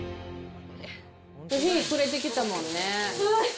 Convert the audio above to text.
日、暮れてきたもんね。